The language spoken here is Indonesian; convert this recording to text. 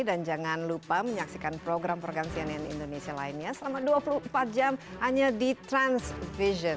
dan jangan lupa menyaksikan program program cnn indonesia lainnya selama dua puluh empat jam hanya di transvision